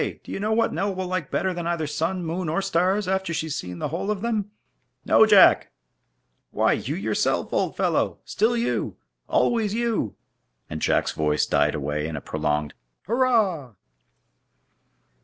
do you know what Nell will like better than either sun, moon, or stars, after she's seen the whole of them?" "No, Jack!" "Why, you yourself, old fellow! still you! always you!" And Jack's voice died away in a prolonged "Hurrah!"